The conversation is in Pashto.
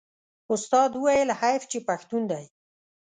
استاد وویل حیف چې پښتون دی.